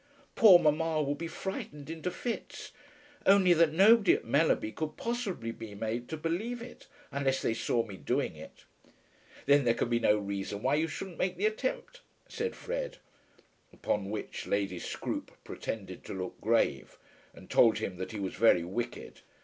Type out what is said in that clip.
Poor mamma would be frightened into fits, only that nobody at Mellerby could possibly be made to believe it, unless they saw me doing it." "Then there can be no reason why you shouldn't make the attempt," said Fred. Upon which Lady Scroope pretended to look grave, and told him that he was very wicked.